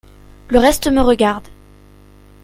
Le reste me regarde.